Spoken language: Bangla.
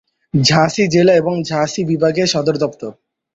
ঝাঁসি জেলা এবং ঝাঁসি বিভাগের সদরদপ্তর।